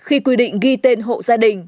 khi quy định ghi tên hộ gia đình